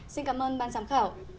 xin cảm ơn ban giám khảo